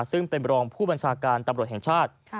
ซึ่งเป็นรองผู้บัญชาการตำรวจแห่งชาติ